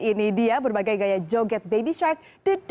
ini dia berbagai gaya joget baby shark